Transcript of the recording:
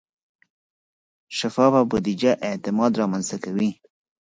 شفافه بودیجه اعتماد رامنځته کوي.